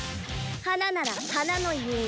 花なら花の弓。